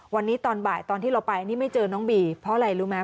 วันนี้ตอนบ่ายตอนที่เราไปนี่ไม่เจอน้องบีเพราะอะไรรู้ไหม